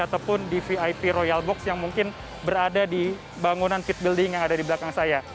ataupun di vip royal box yang mungkin berada di bangunan kit building yang ada di belakang saya